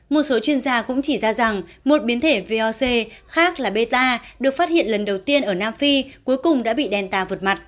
một số chuyên gia cũng chỉ ra rằng một biến thể voc khác là beta được phát hiện lần đầu tiên ở nam phi cuối cùng đã bị đèn tà vượt mặt